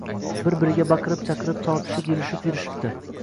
bir-biriga baqirib-chaqirib, tortishib-yulishib yurishibdi.